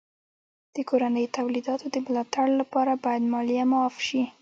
د کورنیو تولیداتو د ملا تړ لپاره باید مالیه معاف سي.